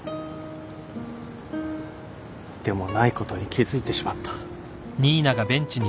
でもないことに気付いてしまった。